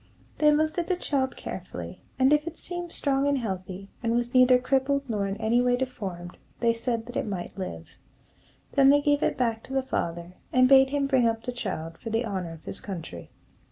They looked at the child carefully, and if it seemed strong and healthy, and was neither crippled nor in any way deformed, they said that it might live. Then they gave it back to the father, and bade him bring up the child for the honor of his country.